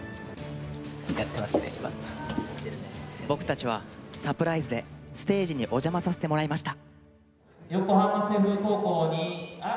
僕たちはサプライズでステージにお邪魔させてもらいました。